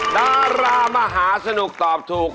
ดารามหาสนุกตอบถูก